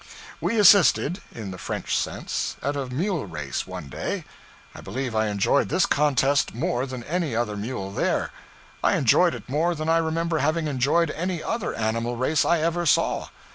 We assisted in the French sense at a mule race, one day. I believe I enjoyed this contest more than any other mule there. I enjoyed it more than I remember having enjoyed any other animal race I ever saw.